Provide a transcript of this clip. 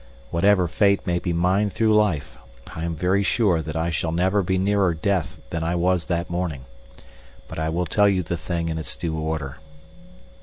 Whatever fate may be mine through life, I am very sure that I shall never be nearer death than I was that morning. But I will tell you the thing in its due order.